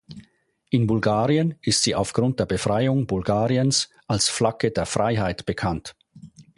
In Bulgarien ist sie aufgrund der Befreiung Bulgariens als Flagge der Freiheit bekannt.